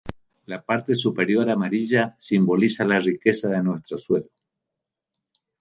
La parte superior amarilla simboliza la riqueza de nuestro suelo.